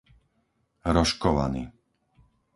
Rožkovany